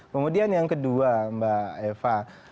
kemudian yang kedua mbak eva